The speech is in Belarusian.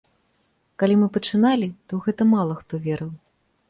Калі мы пачыналі, то ў гэта мала хто верыў.